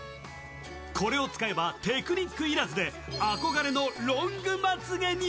これを使えばテクニックいらずで憧れのロングまつげに。